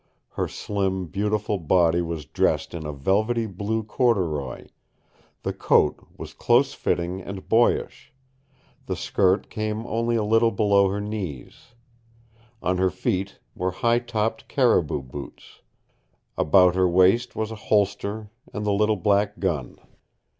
Her slim, beautiful body was dressed in a velvety blue corduroy; the coat was close fitting and boyish; the skirt came only a little below her knees. On her feet were high topped caribou boots. About her waist was a holster and the little black gun.